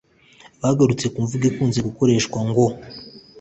bagarutse ku mvugo ikunze gukoreshwa ngo